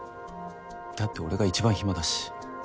だって俺が一番暇だし